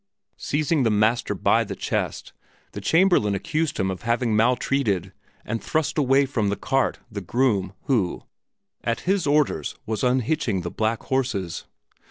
Seizing the Master by the chest, the Chamberlain accused him of having maltreated and thrust away from the cart the groom who, at his orders, was unhitching the black horses.